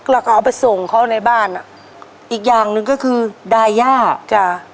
แล้วก็เอาไปส่งเขาในบ้านอ่ะอีกอย่างหนึ่งก็คือดาย่าจ้ะ